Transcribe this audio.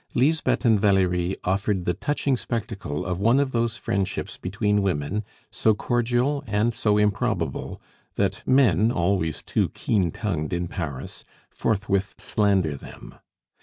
Lisbeth and Valerie offered the touching spectacle of one of those friendships between women, so cordial and so improbable, that men, always too keen tongued in Paris, forthwith slander them.